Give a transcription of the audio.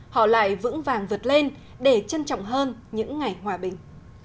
họ lại vững vàng vượt lên để trân trọng hơn những ngày hòa bình